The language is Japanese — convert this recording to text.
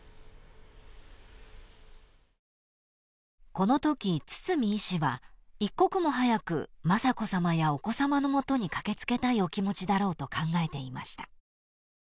［このとき堤医師は一刻も早く雅子さまやお子さまの元に駆け付けたいお気持ちだろうと考えていました］